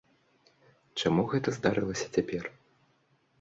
Чаму гэта здарылася цяпер?